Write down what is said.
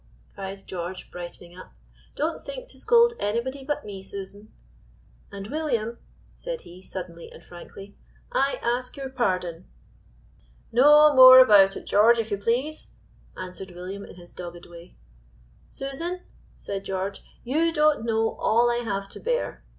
cried George, brightening up, "don't think to scold anybody but me, Susan; and William," said he, suddenly and frankly, "I ask your pardon." "No more about it, George, if you please," answered William in his dogged way. "Susan," said George, "you don't know all I have to bear.